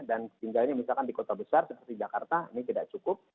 dan tinggalnya misalkan di kota besar seperti di jakarta ini tidak cukup